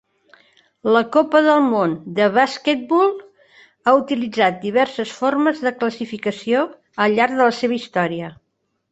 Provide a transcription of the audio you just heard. La Copa del Món de Basquetbol ha utilitzat diverses formes de classificació al llarg de la seva història.